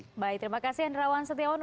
baik terima kasih andrawan setiawan